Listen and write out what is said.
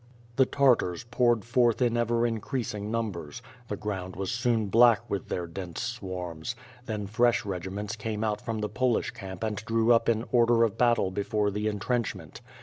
The Tartars poured forth in ever increasing numbers; the ground was soon black with their dense swarms; then fresh regiments came out from the Polish camp and drew up in order of battle before the entrenchment.